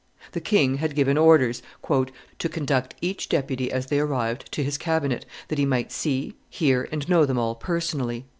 The king had given orders "to conduct each deputy as they arrived to his cabinet, that he might see, hear, and know them all personally."